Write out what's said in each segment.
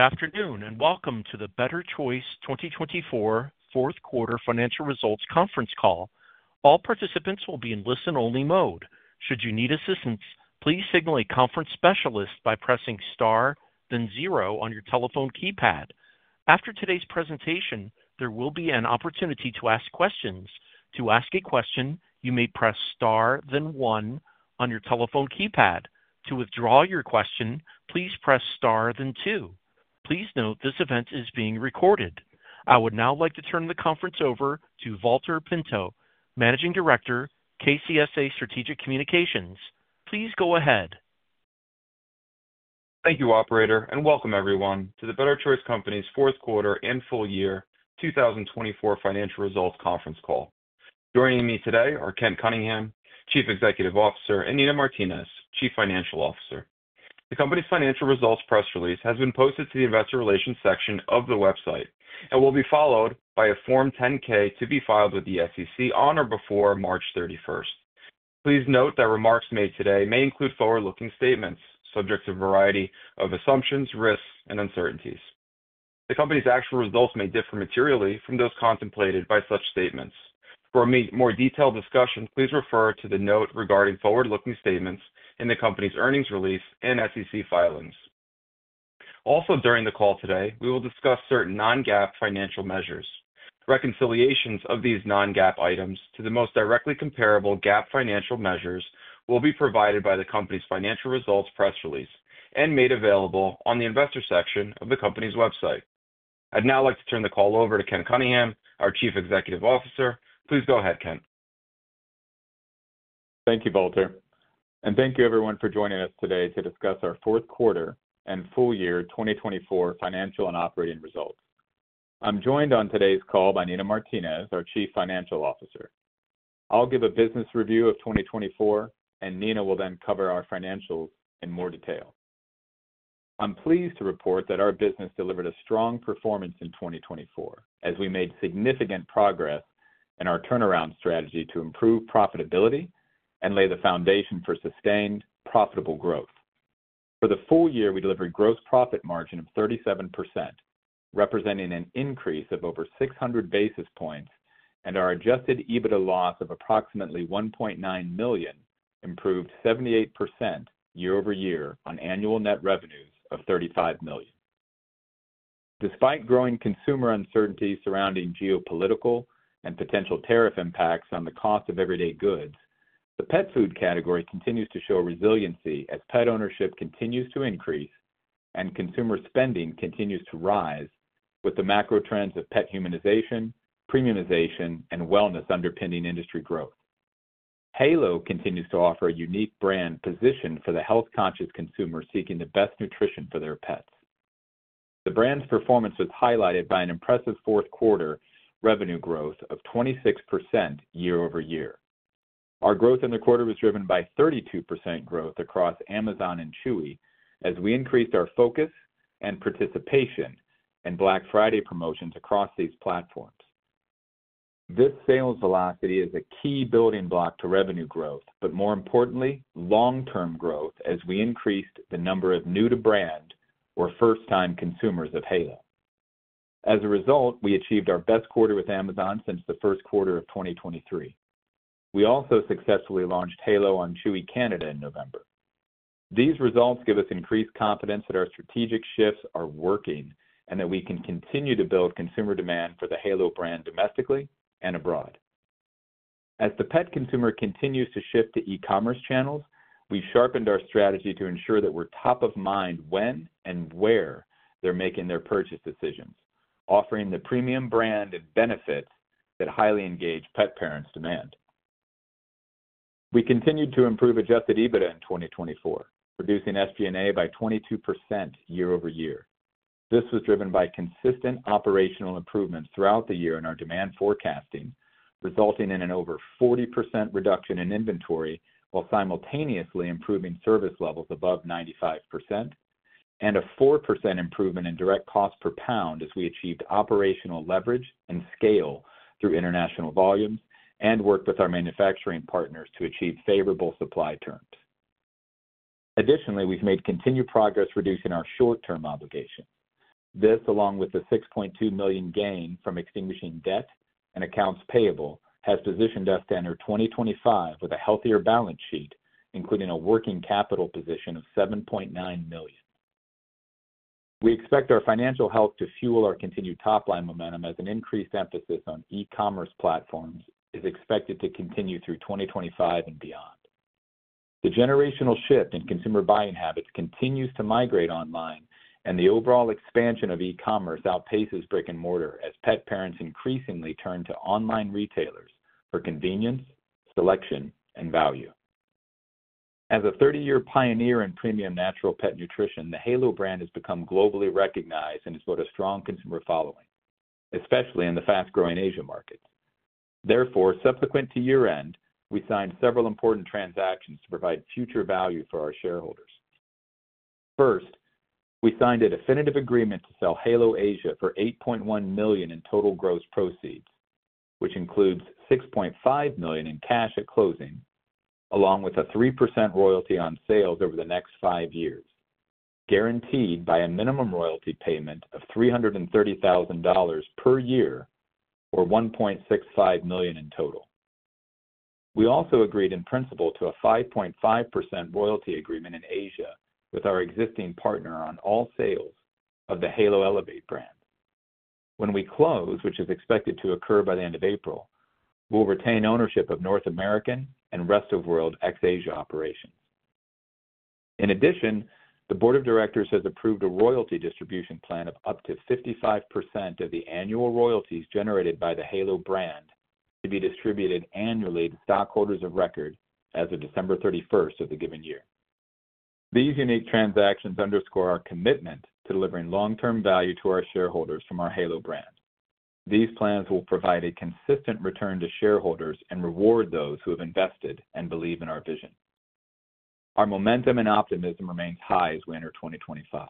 Good afternoon and welcome to the Better Choice 2024 Fourth Quarter Financial Results Conference Call. All participants will be in listen-only mode. Should you need assistance, please signal a conference specialist by pressing star, then zero on your telephone keypad. After today's presentation, there will be an opportunity to ask questions. To ask a question, you may press star, then one on your telephone keypad. To withdraw your question, please press star, then two. Please note this event is being recorded. I would now like to turn the conference over to Valter Pinto, Managing Director, KCSA Strategic Communications. Please go ahead. Thank you, Operator, and welcome everyone to the Better Choice Company's Fourth Quarter and Full Year 2024 Financial Results Conference Call. Joining me today are Kent Cunningham, Chief Executive Officer, and Nina Martinez, Chief Financial Officer. The company's financial results press release has been posted to the Investor Relations section of the website and will be followed by a Form 10-K to be filed with the SEC on or before March 31. Please note that remarks made today may include forward-looking statements subject to a variety of assumptions, risks, and uncertainties. The company's actual results may differ materially from those contemplated by such statements. For a more detailed discussion, please refer to the note regarding forward-looking statements in the company's earnings release and SEC filings. Also, during the call today, we will discuss certain non-GAAP financial measures. Reconciliations of these non-GAAP items to the most directly comparable GAAP financial measures will be provided by the company's financial results press release and made available on the Investor section of the company's website. I'd now like to turn the call over to Kent Cunningham, our Chief Executive Officer. Please go ahead, Kent. Thank you, Valter, and thank you everyone for joining us today to discuss our Fourth Quarter and full year 2024 Financial and Operating Results. I'm joined on today's call by Nina Martinez, our Chief Financial Officer. I'll give a business review of 2024, and Nina will then cover our financials in more detail. I'm pleased to report that our business delivered a strong performance in 2024, as we made significant progress in our turnaround strategy to improve profitability and lay the foundation for sustained profitable growth. For the full year, we delivered a gross profit margin of 37%, representing an increase of over 600 basis points, and our adjusted EBITDA loss of approximately $1.9 million improved 78% year-over-year on annual net revenues of $35 million. Despite growing consumer uncertainty surrounding geopolitical and potential tariff impacts on the cost of everyday goods, the pet food category continues to show resiliency as pet ownership continues to increase and consumer spending continues to rise with the macro trends of pet humanization, premiumization, and wellness underpinning industry growth. Halo continues to offer a unique brand position for the health-conscious consumer seeking the best nutrition for their pets. The brand's performance was highlighted by an impressive fourth quarter revenue growth of 26% year-over-year. Our growth in the quarter was driven by 32% growth across Amazon and Chewy as we increased our focus and participation in Black Friday promotions across these platforms. This sales velocity is a key building block to revenue growth, but more importantly, long-term growth as we increased the number of new-to-brand or first-time consumers of Halo. As a result, we achieved our best quarter with Amazon since the first quarter of 2023. We also successfully launched Halo on Chewy Canada in November. These results give us increased confidence that our strategic shifts are working and that we can continue to build consumer demand for the Halo brand domestically and abroad. As the pet consumer continues to shift to e-commerce channels, we've sharpened our strategy to ensure that we're top of mind when and where they're making their purchase decisions, offering the premium brand and benefits that highly engaged pet parents demand. We continued to improve adjusted EBITDA in 2024, reducing SG&A by 22% year-over-year. This was driven by consistent operational improvements throughout the year in our demand forecasting, resulting in an over 40% reduction in inventory while simultaneously improving service levels above 95% and a 4% improvement in direct cost per pound as we achieved operational leverage and scale through international volumes and worked with our manufacturing partners to achieve favorable supply terms. Additionally, we've made continued progress reducing our short-term obligations. This, along with the $6.2 million gain from extinguishing debt and accounts payable, has positioned us to enter 2025 with a healthier balance sheet, including a working capital position of $7.9 million. We expect our financial health to fuel our continued top-line momentum as an increased emphasis on e-commerce platforms is expected to continue through 2025 and beyond. The generational shift in consumer buying habits continues to migrate online, and the overall expansion of e-commerce outpaces brick and mortar as pet parents increasingly turn to online retailers for convenience, selection, and value. As a 30-year pioneer in premium natural pet nutrition, the Halo brand has become globally recognized and has built a strong consumer following, especially in the fast-growing Asia markets. Therefore, subsequent to year-end, we signed several important transactions to provide future value for our shareholders. First, we signed a definitive agreement to sell Halo Asia for $8.1 million in total gross proceeds, which includes $6.5 million in cash at closing, along with a 3% royalty on sales over the next five years, guaranteed by a minimum royalty payment of $330,000 per year, or $1.65 million in total. We also agreed in principle to a 5.5% royalty agreement in Asia with our existing partner on all sales of the Halo Elevate brand. When we close, which is expected to occur by the end of April, we'll retain ownership of North American and rest of world ex-Asia operations. In addition, the Board of Directors has approved a royalty distribution plan of up to 55% of the annual royalties generated by the Halo brand to be distributed annually to stockholders of record as of December 31 of the given year. These unique transactions underscore our commitment to delivering long-term value to our shareholders from our Halo brand. These plans will provide a consistent return to shareholders and reward those who have invested and believe in our vision. Our momentum and optimism remain high as we enter 2025.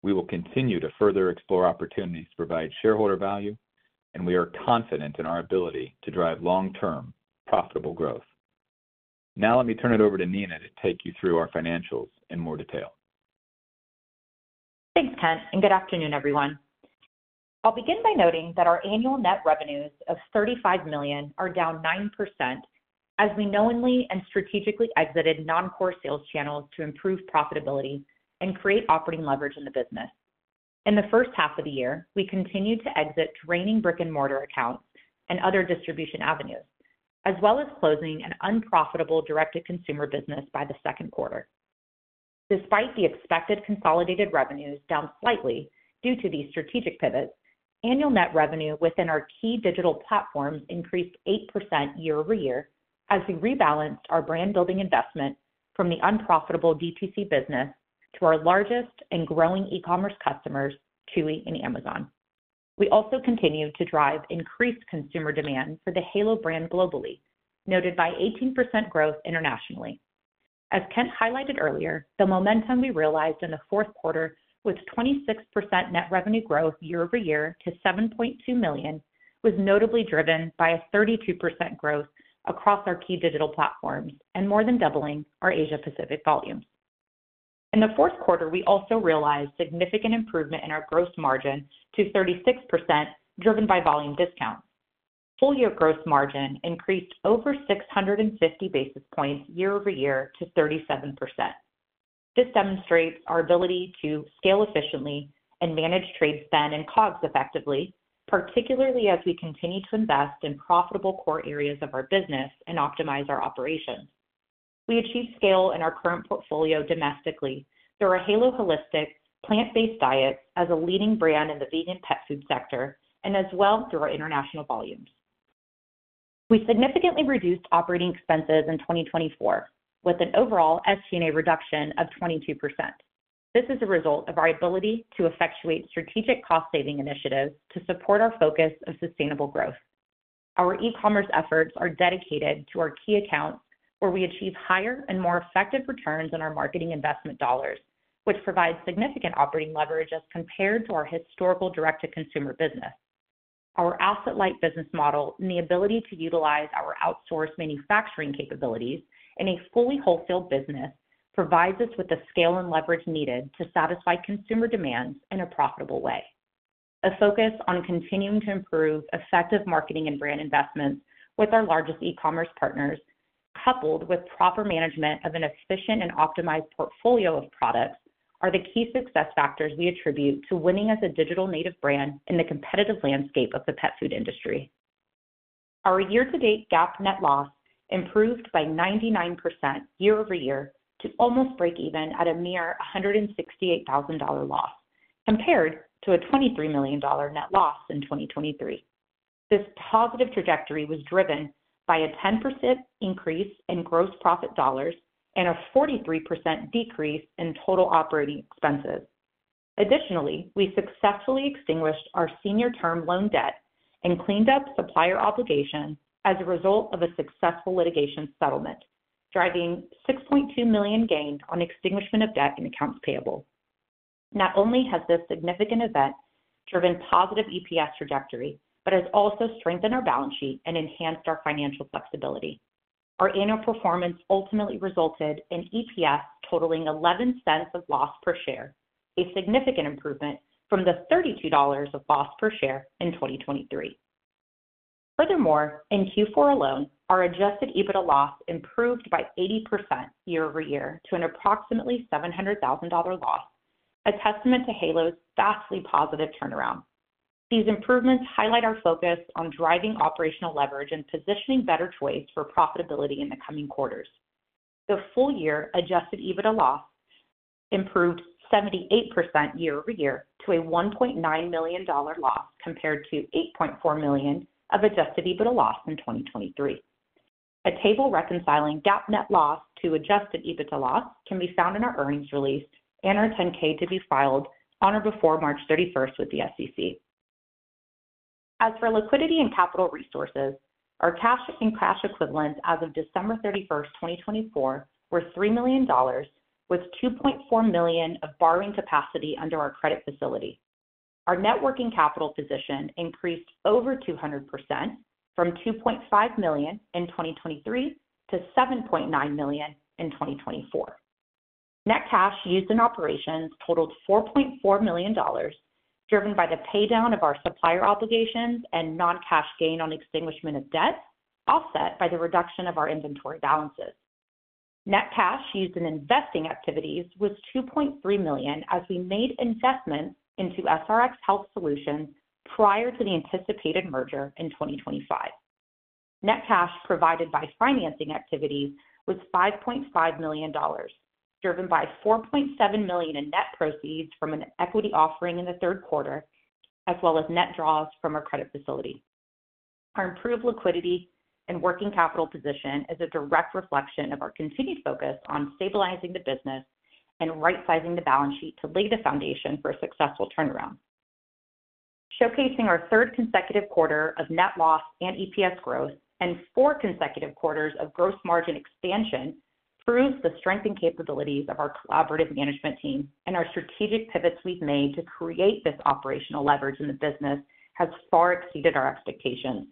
We will continue to further explore opportunities to provide shareholder value, and we are confident in our ability to drive long-term profitable growth. Now, let me turn it over to Nina to take you through our financials in more detail. Thanks, Kent, and good afternoon, everyone. I'll begin by noting that our annual net revenues of $35 million are down 9% as we knowingly and strategically exited non-core sales channels to improve profitability and create operating leverage in the business. In the first half of the year, we continued to exit draining brick-and-mortar accounts and other distribution avenues, as well as closing an unprofitable direct-to-consumer business by the second quarter. Despite the expected consolidated revenues down slightly due to these strategic pivots, annual net revenue within our key digital platforms increased 8% year-over-year as we rebalanced our brand-building investment from the unprofitable DTC business to our largest and growing e-commerce customers, Chewy and Amazon. We also continue to drive increased consumer demand for the Halo brand globally, noted by 18% growth internationally. As Kent highlighted earlier, the momentum we realized in the fourth quarter with 26% net revenue growth year-over-year to $7.2 million was notably driven by a 32% growth across our key digital platforms and more than doubling our Asia-Pacific volumes. In the fourth quarter, we also realized significant improvement in our gross margin to 36%, driven by volume discounts. Full-year gross margin increased over 650 basis points year-over-year to 37%. This demonstrates our ability to scale efficiently and manage trade spend and COGS effectively, particularly as we continue to invest in profitable core areas of our business and optimize our operations. We achieved scale in our current portfolio domestically through our Halo Holistic plant-based diets as a leading brand in the vegan pet food sector and as well through our international volumes. We significantly reduced operating expenses in 2024 with an overall SG&A reduction of 22%. This is a result of our ability to effectuate strategic cost-saving initiatives to support our focus of sustainable growth. Our e-commerce efforts are dedicated to our key accounts, where we achieve higher and more effective returns on our marketing investment dollars, which provides significant operating leverage as compared to our historical direct-to-consumer business. Our asset-light business model and the ability to utilize our outsourced manufacturing capabilities in a fully wholesale business provides us with the scale and leverage needed to satisfy consumer demands in a profitable way. A focus on continuing to improve effective marketing and brand investments with our largest e-commerce partners, coupled with proper management of an efficient and optimized portfolio of products, are the key success factors we attribute to winning as a digital native brand in the competitive landscape of the pet food industry. Our year-to-date GAAP net loss improved by 99% year-over-year to almost break-even at a mere $168,000 loss, compared to a $23 million net loss in 2023. This positive trajectory was driven by a 10% increase in gross profit dollars and a 43% decrease in total operating expenses. Additionally, we successfully extinguished our senior term loan debt and cleaned up supplier obligations as a result of a successful litigation settlement, driving $6.2 million gain on extinguishment of debt and accounts payable. Not only has this significant event driven positive EPS trajectory, but has also strengthened our balance sheet and enhanced our financial flexibility. Our annual performance ultimately resulted in EPS totaling $0.11 of loss per share, a significant improvement from the $32 of loss per share in 2023. Furthermore, in Q4 alone, our adjusted EBITDA loss improved by 80% year-over-year to an approximately $700,000 loss, a testament to Halo's vastly positive turnaround. These improvements highlight our focus on driving operational leverage and positioning Better Choice for profitability in the coming quarters. The full-year adjusted EBITDA loss improved 78% year-over-year to a $1.9 million loss compared to $8.4 million of adjusted EBITDA loss in 2023. A table reconciling GAAP net loss to adjusted EBITDA loss can be found in our earnings release and our Form 10-K to be filed on or before March 31 with the SEC. As for liquidity and capital resources, our cash and cash equivalents as of December 31, 2024, were $3 million, with $2.4 million of borrowing capacity under our credit facility. Our net working capital position increased over 200% from $2.5 million in 2023 to $7.9 million in 2024. Net cash used in operations totaled $4.4 million, driven by the paydown of our supplier obligations and non-cash gain on extinguishment of debt, offset by the reduction of our inventory balances. Net cash used in investing activities was $2.3 million as we made investments into SRx Health Solutions prior to the anticipated merger in 2025. Net cash provided by financing activities was $5.5 million, driven by $4.7 million in net proceeds from an equity offering in the third quarter, as well as net draws from our credit facility. Our improved liquidity and working capital position is a direct reflection of our continued focus on stabilizing the business and right-sizing the balance sheet to lay the foundation for a successful turnaround. Showcasing our third consecutive quarter of net loss and EPS growth and four consecutive quarters of gross margin expansion proves the strength and capabilities of our collaborative management team, and our strategic pivots we've made to create this operational leverage in the business have far exceeded our expectations.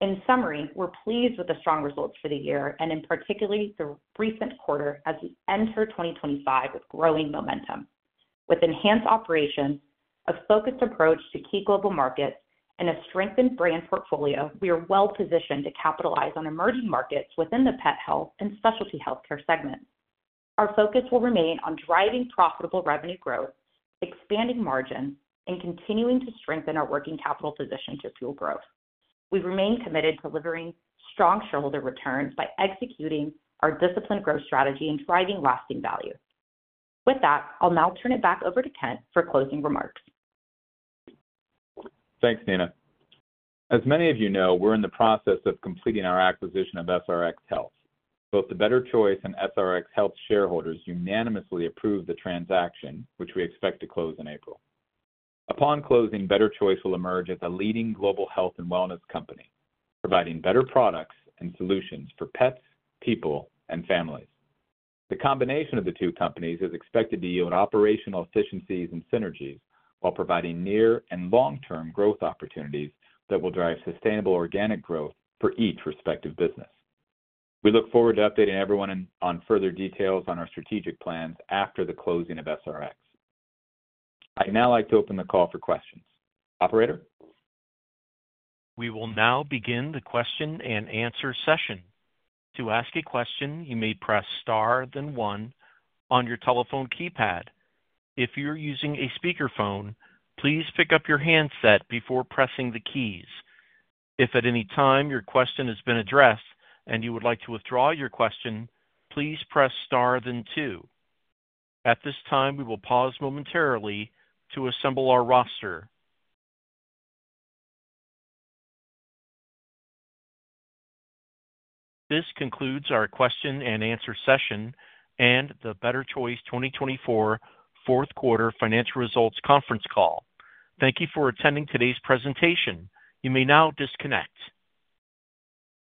In summary, we're pleased with the strong results for the year and in particular the recent quarter as we enter 2025 with growing momentum. With enhanced operations, a focused approach to key global markets, and a strengthened brand portfolio, we are well-positioned to capitalize on emerging markets within the pet health and specialty healthcare segments. Our focus will remain on driving profitable revenue growth, expanding margins, and continuing to strengthen our working capital position to fuel growth. We remain committed to delivering strong shareholder returns by executing our disciplined growth strategy and driving lasting value. With that, I'll now turn it back over to Kent for closing remarks. Thanks, Nina. As many of you know, we're in the process of completing our acquisition of SRx Health Solutions. Both the Better Choice and SRx Health Solutions shareholders unanimously approved the transaction, which we expect to close in April. Upon closing, Better Choice will emerge as a leading global health and wellness company, providing better products and solutions for pets, people, and families. The combination of the two companies is expected to yield operational efficiencies and synergies while providing near and long-term growth opportunities that will drive sustainable organic growth for each respective business. We look forward to updating everyone on further details on our strategic plans after the closing of SRx Health Solutions. I'd now like to open the call for questions. Operator? We will now begin the question-and-answer session. To ask a question, you may press star then one on your telephone keypad. If you're using a speakerphone, please pick up your handset before pressing the keys. If at any time your question has been addressed and you would like to withdraw your question, please press star then two. At this time, we will pause momentarily to assemble our roster. This concludes our question-and-answer session and the Better Choice 2024 Fourth Quarter Financial Results Conference Call. Thank you for attending today's presentation. You may now disconnect.